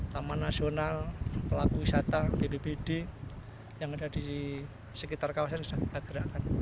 taman nasional pelaku wisata bpbd yang ada di sekitar kawasan sudah kita gerakkan